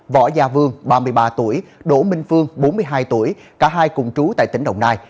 võ gia vương ba mươi ba tuổi đỗ minh phương bốn mươi hai tuổi cả hai cùng trú tại tỉnh đồng nai